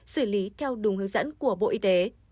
xử lý theo đúng hướng dẫn của bộ y tế